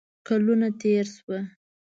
کلونه تیر شوه